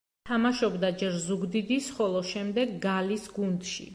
თამაშობდა ჯერ ზუგდიდის, ხოლო შემდეგ გალის გუნდში.